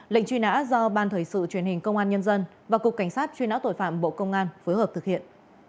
lệnh truy nã do ban thời sự truyền hình công an nhân dân và cục cảnh sát truy nã tội phạm bộ công an phối hợp thực hiện